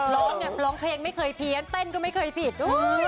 ร้องไงร้องเพลงไม่เคยเพี้ยนเต้นก็ไม่เคยผิด